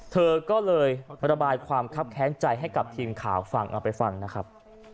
เธอก็เลยระบายความคับแค้นใจให้กับทีมข่าวฟังเอาไปฟังนะครับ